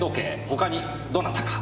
他にどなたか？